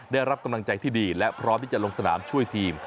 ได้รับกำลังใจที่ดีและพร้อมที่จะลงสนามช่วยทีม